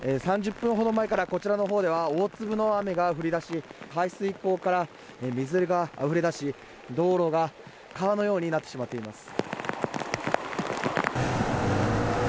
３０分ほど前からこちらの方では大粒の雨が降り出し排水溝から水があふれ出し道路が川のようになってしまっています。